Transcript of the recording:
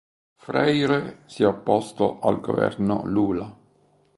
Freire si è opposto al governo Lula.